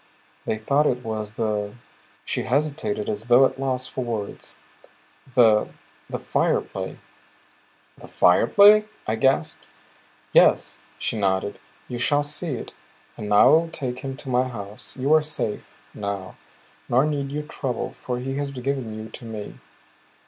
They thought it was the" she hesitated as though at loss for words "the the Fire Play." "The Fire Play?" I gasped. "Yes," she nodded. "You shall see it. And now I will take him to my house. You are safe now, nor need you trouble. For he has given you to me."